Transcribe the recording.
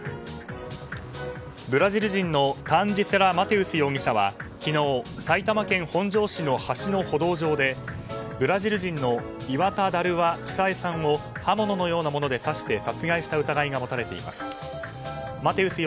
ブラジル人のタンジ・セラ・マテウス容疑者は昨日埼玉県本庄市の橋の歩道上でブラジル人のイワタ・ダルワ・チサエさんを刃物のようなもので刺して殺害した疑いが持たれています。